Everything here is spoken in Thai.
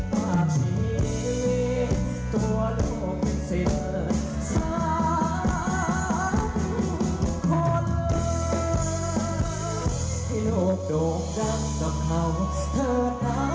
ปากชีตัวโลกมืดเสียหลังสาหรับทุกคน